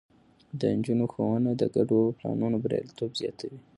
د نجونو ښوونه د ګډو پلانونو برياليتوب زياتوي.